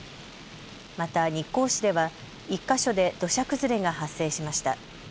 また日光市では１か所で土砂崩れが発生しました。